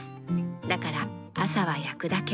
だから朝は焼くだけ。